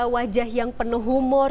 wajah yang penuh humor